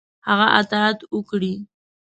هغه اطاعت وکړي.